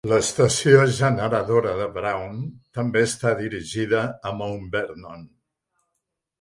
L'estació generadora de Brown també està dirigida a Mount Vernon.